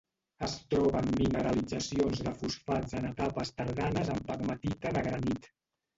Es troba en mineralitzacions de fosfats en etapes tardanes en pegmatita de granit.